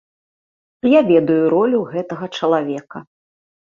Я ведаю ролю гэтага чалавека.